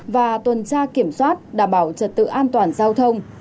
và tuần tra kiểm soát đảm bảo trật tự an toàn giao thông